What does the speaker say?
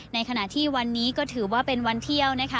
ในขณะที่วันนี้ก็ถือว่าเป็นวันเที่ยวนะคะ